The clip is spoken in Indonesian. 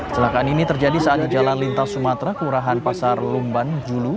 celakaan ini terjadi saat di jalan lintas sumatera kelurahan pasar lumban julu